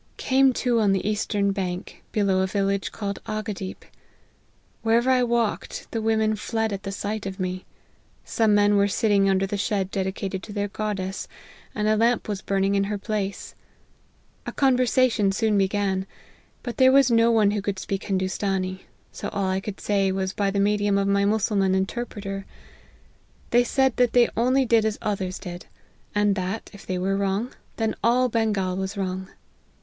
" Came to on the eastern bank, below a village called Ahgadeep. Wherever I walked, the women fled at the sight of me. Some men were sitting under the shed dedicated to their goddess ; and a lamp was burning in her place. A conversation soon began ; but there was no one who could speak Hindoostanee ; so all I could say was by the medium of my mussulman interpreter. They said that they only did as others did ; and that, if they were wrong, then all Bengal was wrong.